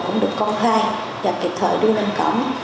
cũng được công khai và kịp thời đưa lên cổng